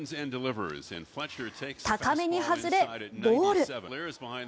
高めに外れ、ボール。